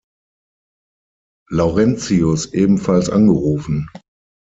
Laurentius ebenfalls angerufen.